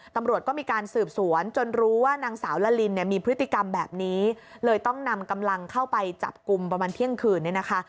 ตำรวจก็มีการสืบสวนจนรู้ว่านางสาวละลินเนี่ยมีพฤติกรรมแบบนี้เลยต้องนำกำลังเข้าไปจับกลุ่มประมาณเที่ยงคืนเนี่ยนะคะ